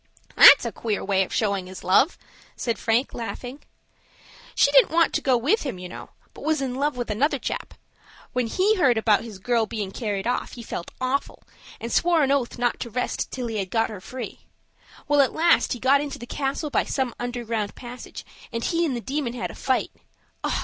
"That's a queer way of showing his love," said Frank, laughing. "She didn't want to go with him, you know, but was in love with another chap. When he heard about his girl bein' carried off, he felt awful, and swore an oath not to rest till he had got her free. Well, at last he got into the castle by some underground passage, and he and the Demon had a fight.